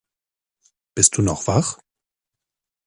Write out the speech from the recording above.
Bist du noch wach?